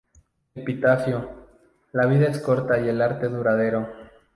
Epitafio: "La vida es corta, el arte duradero"